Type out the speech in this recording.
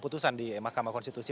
putusan di mahkamah konstitusi